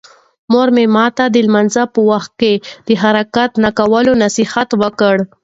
مور مې ماته د لمانځه په وخت د حرکت نه کولو نصیحت وکړ.